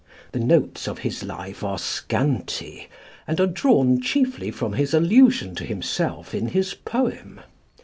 The notes of his life are scanty, and are drawn chiefly from his allusion to himself in his poem.